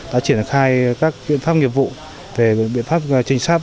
đã triển khai các biện pháp nghiệp vụ về biện pháp trinh sát